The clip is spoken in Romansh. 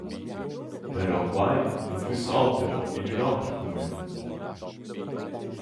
Però quai nu füss oter in ün oter cumün.»